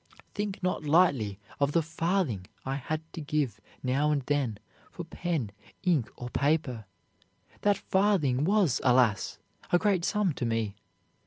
Think not lightly of the farthing I had to give, now and then, for pen, ink, or paper. That farthing was, alas! a great sum to me.